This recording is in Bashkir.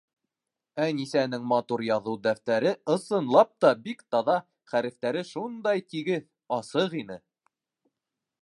Әнисәнең матур яҙыу дәфтәре, ысынлап та, бик таҙа, хәрефтәре шундай тигеҙ, асыҡ ине.